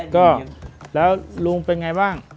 ก็แล้วลุงเป็นไงบ้าง